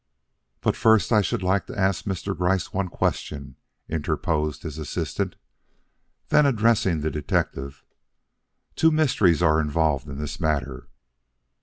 "But first I should like to ask Mr. Gryce one question," interposed his assistant. Then addressing the detective: "Two mysteries are involved in this matter.